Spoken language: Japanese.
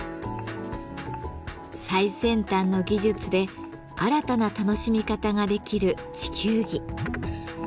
最先端の技術で新たな楽しみ方ができる地球儀。